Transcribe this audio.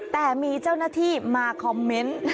แต่มีเจ้าหน้าที่มาคอมเมนต์